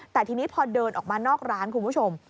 แต่ทีนี้พอเดินออกมานอกร้านคุณผู้ชม